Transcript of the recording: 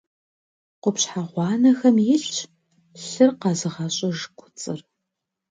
Къупщхьэ гъуанэхэм илъщ лъыр къэзыгъэщӏыж куцӏыр.